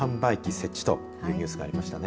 設置というニュースがありましたね。